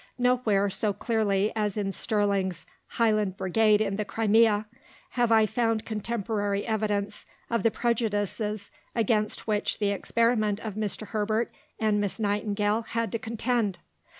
Nowhere, so clearly as in Sterling's Highland Brigade in the Crimea, have I found contemporary evidence of the prejudices against which the experiment of Mr. Herbert and Miss Nightingale had to contend.